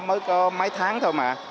mới có mấy tháng thôi mà